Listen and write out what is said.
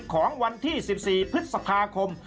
ของวันที่๑๔พฤษภาคม